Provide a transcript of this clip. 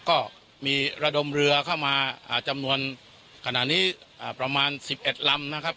ก็มีระดมเรือเข้ามาอ่าจำนวนขณะนี้อ่าประมาณสิบเอ็ดลำนะครับ